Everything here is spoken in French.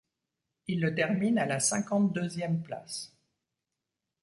Il le termine à la cinquante-deuxième place.